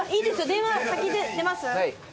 電話先出ます？